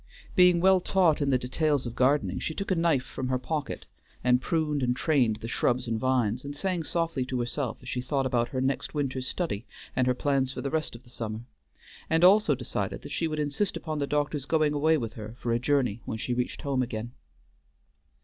Being well taught in the details of gardening, she took a knife from her pocket and pruned and trained the shrubs and vines, and sang softly to herself as she thought about her next winter's study and her plans for the rest of the summer, and also decided that she would insist upon the doctor's going away with her for a journey when she reached home again.